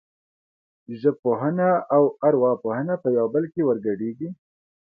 ژبپوهنه او ارواپوهنه په یو بل کې ورګډېږي